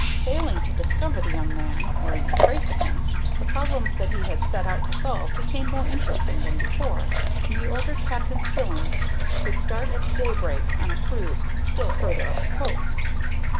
Failing to discover the young man, or any trace of him, the problems that he had set out to solve became more interesting than before, and he ordered Captain Spillins to start at daybreak on a cruise still farther up the coast.